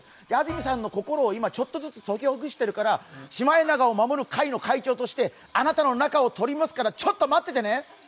安住さんの心をちょっとずつ解きほぐしてるからシマエナガを守る会の会長としてあなたの仲を取り持つからちょっと待っててね。